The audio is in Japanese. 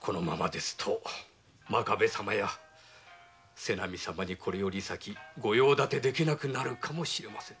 このままですと真壁様や瀬波様にこれから先ご用立てできなくなるかもしれません。